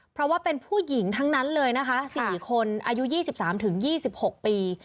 เพราะว่าเป็นผู้หญิงทั้งนั้นเลยนะคะ๔คนอายุ๒๓๒๖ปี